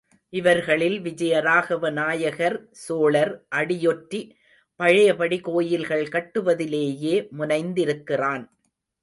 இவர்களில் விஜயராகவ நாயக்கர் சோழர் அடியொற்றி பழையபடி கோயில்கள் கட்டுவதிலேயே முனைந்திருக்கிறான்.